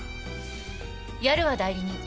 やるわ代理人。